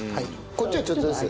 こっちはちょっとずつ？